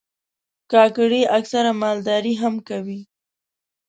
کاکړي اکثره مالداري هم کوي.